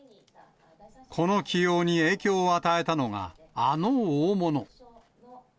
この起用に影響を与えたのが、あの大物。